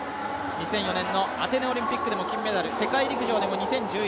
２００４年のアテネオリンピックでメダル世界陸上でも２０１１